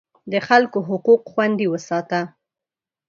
د خلکو حقوق خوندي وساته.